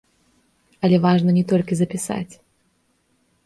Але важна не толькі запісаць.